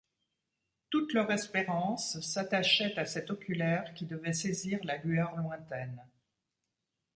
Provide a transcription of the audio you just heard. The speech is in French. Toute leur espérance s’attachait à cet oculaire qui devait saisir la lueur lointaine!